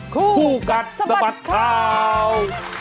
คู่กัดสะบัดข่าว